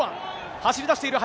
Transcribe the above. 走りだしている林。